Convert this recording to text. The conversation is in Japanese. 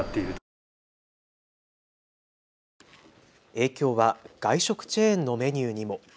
影響は外食チェーンのメニューにも。